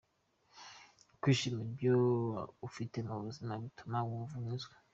Kwishimira ibyo ufite mu buzima bituma wumva unyuzwe .